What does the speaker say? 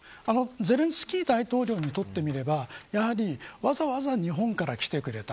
ゼレンスキー大統領にとってみればわざわざ日本から来てくれた。